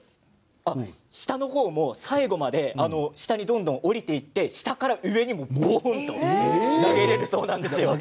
下の方は最後まで下にどんどん下りていって下から上にボーンと投げ入れるそうです。